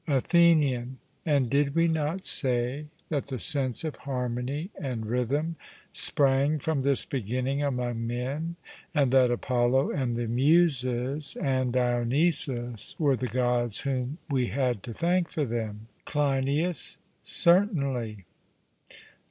ATHENIAN: And did we not say that the sense of harmony and rhythm sprang from this beginning among men, and that Apollo and the Muses and Dionysus were the Gods whom we had to thank for them? CLEINIAS: Certainly.